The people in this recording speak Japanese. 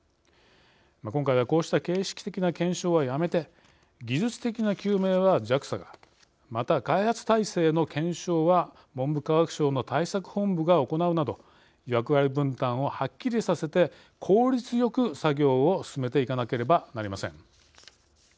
今回はこうした形式的な検証はやめて技術的な究明はＪＡＸＡがまた、開発体制の検証は文部科学省の対策本部が行うなど役割分担をはっきりさせて効率よく作業を進めていかなければなりません。